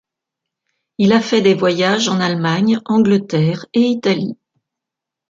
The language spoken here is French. Il a fait des voyages en Allemagne, Angleterre et Italie.